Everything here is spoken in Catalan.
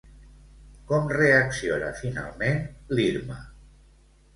Com reacciona finalment l'Irma?